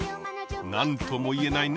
何とも言えないね